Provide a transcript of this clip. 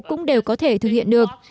cũng đều có thể thực hiện được